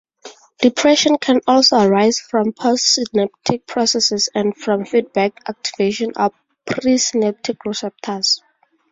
Depression can also arise from post-synaptic processes and from feedback activation of presynaptic receptors.